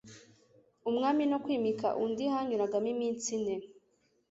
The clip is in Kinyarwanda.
Umwami no kwimika undi hanyuragamo iminsi ine